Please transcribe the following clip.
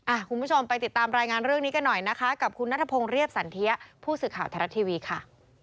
คุณผู้ชมไปติดตามรายงานเรื่องนี้กันหน่อยนะคะกับคุณนัทพงศ์เรียบสันเทียผู้สื่อข่าวไทยรัฐทีวีค่ะ